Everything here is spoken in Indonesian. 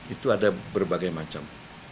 itu ada berbagai macam